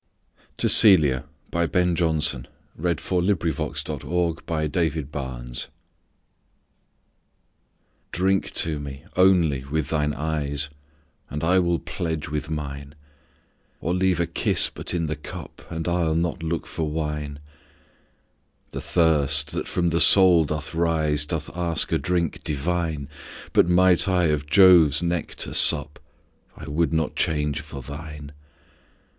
C D . E F . G H . I J . K L . M N . O P . Q R . S T . U V . W X . Y Z To Celia DRINK to me, only, with thine eyes, And I will pledge with mine; Or leave a kiss but in the cup, And I'll not look for wine. The thirst that from the soul doth rise, Doth ask a drink divine: But might I of Jove's nectar sup, I would not change for thine.